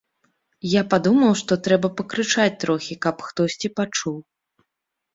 Я падумаў, што трэба пакрычаць трохі, каб хтосьці пачуў.